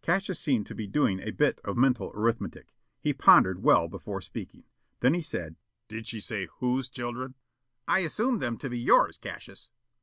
Cassius seemed to be doing a bit of mental arithmetic. He pondered well before speaking. Then he said: "Did she say whose children?" "I assumed them to be yours, Cassius."